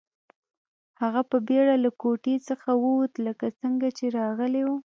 هغه په بیړه له کوټې څخه ووت لکه څنګه چې راغلی و